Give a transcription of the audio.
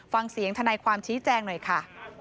ฟังเสียงท่านายความชี้แจ้งหน่อยค่ะ